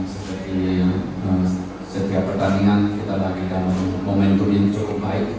seperti setiap pertandingan kita bagi momentum yang cukup baik